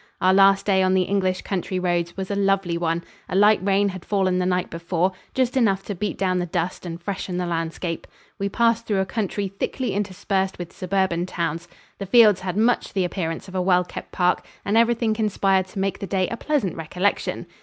Our last day on the English country roads was a lovely one. A light rain had fallen the night before, just enough to beat down the dust and freshen the landscape. We passed through a country thickly interspersed with suburban towns. The fields had much the appearance of a well kept park, and everything conspired to make the day a pleasant recollection.